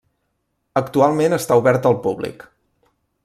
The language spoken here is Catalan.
Actualment està obert al públic.